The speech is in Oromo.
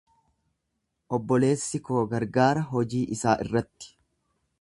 Obboleessi koo gargaara hojii isaa irratti.